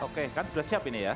oke kan sudah siap ini ya